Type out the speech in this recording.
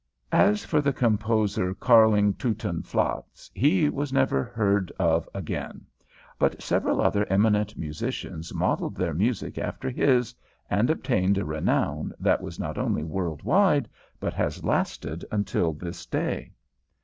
As for the composer, Kärlingteutonflatz, he was never heard of again; but several other eminent musicians modelled their music after his, and obtained a renown that was not only world wide, but has lasted until this day.